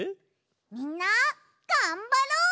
みんながんばろう！